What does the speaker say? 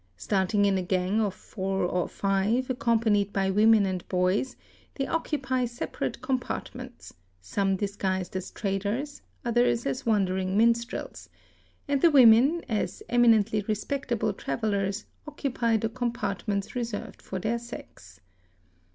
Starting in a gang of 4 or 5, accompanied by women and boys, they occupy separate compartments—some disguised as traders, others as wandering minstrels—and the women, as eminently respectable travellers, occupy the compartments reserved for their sex.